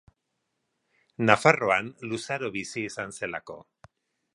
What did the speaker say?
Nafarroan luzaro bizi izan zelako.